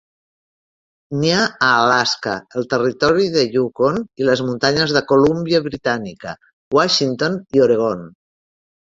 Nia a Alaska, el territori de Yukon i les muntanyes de Colúmbia Britànica, Washington i Oregon.